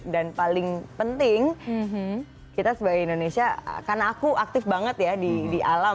dan paling penting kita sebagai indonesia karena aku aktif banget ya di alam